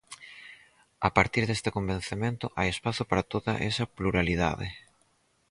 A partir dese convencemento hai espazo para toda esa pluralidade.